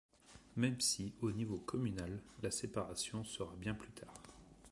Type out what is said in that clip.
Même si, au niveau communal, la séparation sera bien plus tard.